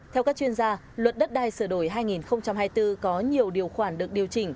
theo các chuyên gia luật đất đai sửa đổi hai nghìn hai mươi bốn có nhiều điều khoản được điều chỉnh